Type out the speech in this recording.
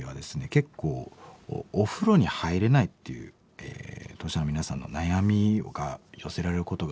結構お風呂に入れないっていう当事者の皆さんの悩みが寄せられることが多くて。